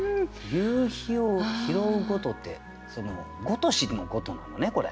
「夕陽を拾ふごと」って「ごとし」の「ごと」なのねこれ。